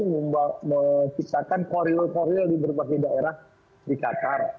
menciptakan koril koril di berbagai daerah di qatar